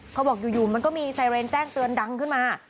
เขาบอกอยู่มันก็มีไซเรนแจ้งเตือนดังขึ้นมา